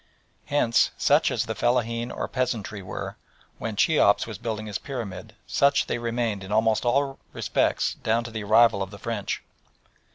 Hence, such as the fellaheen or peasantry were when Cheops was building his pyramid, such they remained in almost all respects down to the arrival of the French.